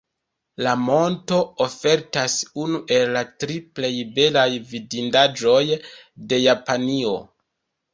La monto ofertas unu el la tri plej belaj vidindaĵoj de Japanio.